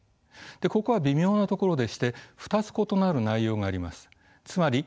ここは微妙なところでして２つ異なる内容があります。